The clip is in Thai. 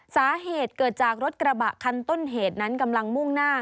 สาเหตุเกิดจากรถกระบะคันต้นเหตุนั้นกำลังมุ่งหน้า